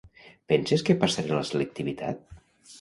Penses que passaré la selectivitat?